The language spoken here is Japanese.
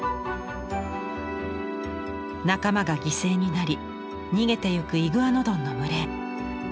仲間が犠牲になり逃げてゆくイグアノドンの群れ。